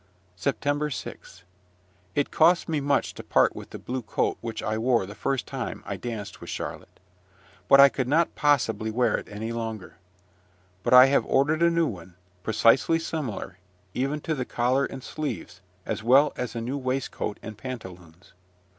SEPTEMBER 6. It cost me much to part with the blue coat which I wore the first time I danced with Charlotte. But I could not possibly wear it any longer. But I have ordered a new one, precisely similar, even to the collar and sleeves, as well as a new waistcoat and pantaloons.